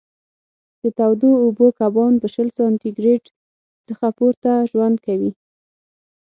د تودو اوبو کبان په شل سانتي ګرېد څخه پورته ژوند کوي.